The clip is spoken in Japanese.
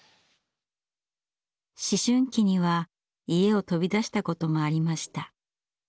思春期には家を飛び出したこともありました。